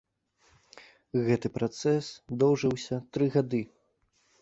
Гэты працэс доўжыўся тры гады.